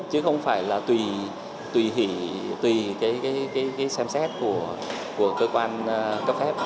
chứ không phải là tùy hỷ tùy cái xem xét của cơ quan cấp phép